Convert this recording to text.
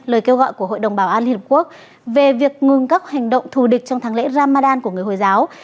lời kêu gọi của hội đồng bảo an liên hợp quốc về việc ngừng các hành động thù địch trong tháng lễ ramadan của người hồi giáo